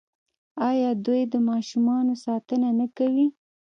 آیا دوی د ماشومانو ساتنه نه کوي؟